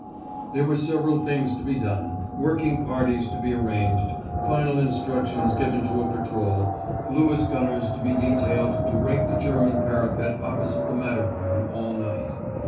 There were several things to be done, working parties to be arranged, final instructions given to a patrol, Lewis gunners to be detailed to rake the German parapet opposite the Matterhorn all night.